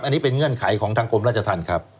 อันนี้เป็นเงื่อนไขของทางกรมราชธรรมครับ